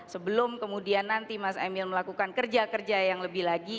sebelum kemudian nanti mas emil melakukan kerja kerja yang lebih lagi